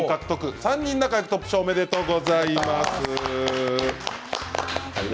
３人仲よくトップ賞おめでとうございます。